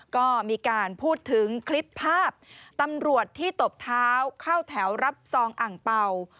ก็มีการพูดถึงคลิปภาพตำรวจที่ตบเท้าเข้าแถวรับซองอ่างเป่า